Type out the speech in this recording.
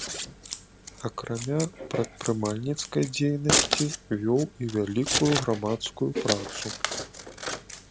Акрамя прадпрымальніцкай дзейнасці вёў і вялікую грамадскую працу.